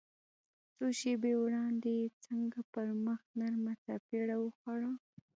څو شېبې وړاندې يې څنګه پر مخ نرمه څپېړه وخوړه.